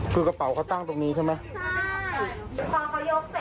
คือกระเป๋าก็ตั้งตรงนี้ใช่ไหม